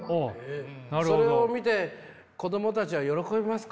それを見て子どもたちは喜びますか？